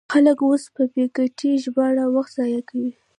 خلک اوس په بې ګټې ژباړو وخت ضایع کوي.